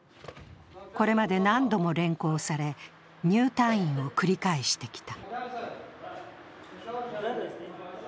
これまで何度も連行され入退院を繰り返してきた。